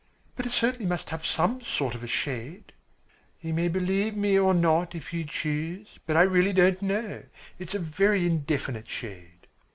"But it certainly must have some sort of a shade?" "You may believe me or not if you choose, but really I don't know. It's a very indefinite shade."